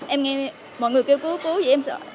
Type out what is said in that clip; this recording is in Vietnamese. em nghe mọi người kêu cứu cứu vậy em sợ